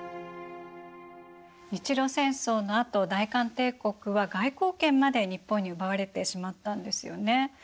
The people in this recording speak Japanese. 日露戦争のあと大韓帝国は外交権まで日本に奪われてしまったんですよね。